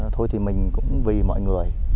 thôi thì mình cũng vì mọi người